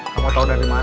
kamu tau dari mana